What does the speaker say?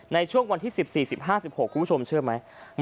ในช่วงวันที่๑๔๑๕๑๖คุณผู้ชมเชื่อไหม